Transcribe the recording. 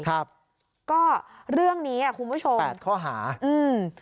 ก็เรื่องนี้คุณผู้ชม